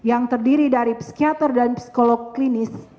yang terdiri dari psikiater dan psikolog klinis